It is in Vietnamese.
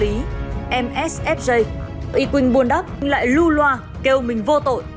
ý quỳnh buôn đắp lại lưu loa kêu mình vô tội